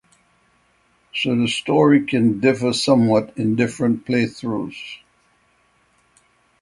So the story can differ somewhat in different playthroughs.